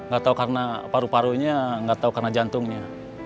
gak tahu karena paru parunya gak tahu karena jantungnya